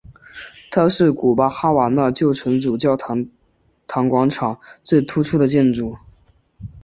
它是古巴哈瓦那旧城主教座堂广场最突出的建筑。